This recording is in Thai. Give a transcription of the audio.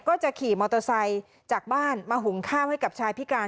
ก็จะขี่มอเตอร์ไซค์จากบ้านมาหุงข้าวให้กับชายพิการ